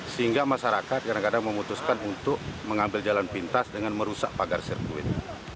sehingga masyarakat kadang kadang memutuskan untuk mengambil jalan pintas dengan merusak pagar sirkuit